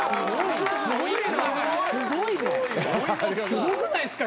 すごくないですか？